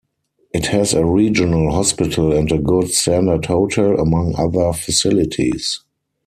It has a regional hospital and a good standard hotel, among other facilities.